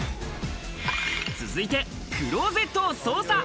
続いて、クローゼットを捜査！